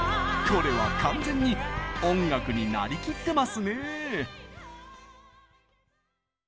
これは完全に音楽になりきってますね！